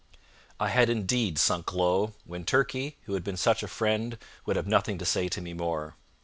I had indeed sunk low when Turkey, who had been such a friend, would have nothing to say to me more.